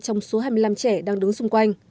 trong số hai mươi năm trẻ đang đứng xung quanh